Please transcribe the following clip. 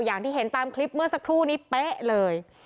อย่างที่เห็นตามคลิปเมื่อสักครู่นี้เป๊ะเลย